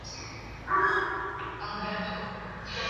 mpaka mwaka elfu moja mia tisa sabini na mbili